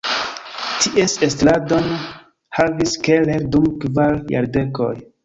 Ties estradon havis Keller dum kvar jardekoj.